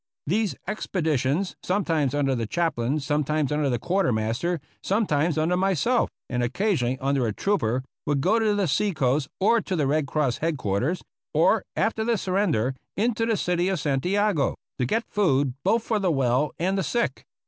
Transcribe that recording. These expeditions — sometimes under the Chaplain, sometimes under the Quar termaster, sometimes under myself, and occasionally under a trooper — would go to the sea coast or to the Red Cross head quarters, or, after the surrender, into the city of San tiago, to get food both for the well and the sick.